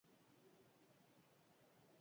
Gerra zibilak Madrilen harrapatu zuen.